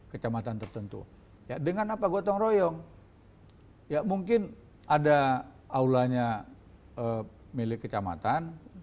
kecamatan tertentu ya dengan apa gotong royong ya mungkin ada aulanya milik kecamatan